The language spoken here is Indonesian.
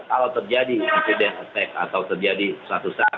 kalau terjadi atau terjadi satu saat